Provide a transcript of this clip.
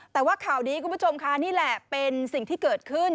แต่ว่าข่าวนี้คุณผู้ชมค่ะนี่แหละเป็นสิ่งที่เกิดขึ้น